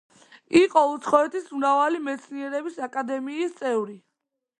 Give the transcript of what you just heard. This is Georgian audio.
იყო უცხოეთის მრავალი მეცნიერების აკადემიის წევრი.